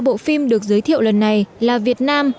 bộ phim được giới thiệu lần này là việt nam